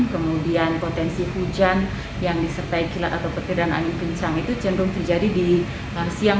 kemudian potensi hujan yang disertai kilat atau petiran angin kencang itu cenderung terjadi di siang